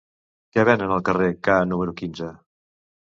Què venen al carrer K número quinze?